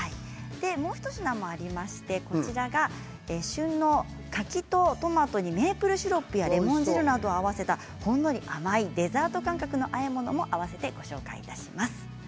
もう一品ありまして旬の柿とトマトにメープルシロップやレモン汁などを合わせたほんのり甘いデザート感覚のあえ物も合わせてご紹介いたします。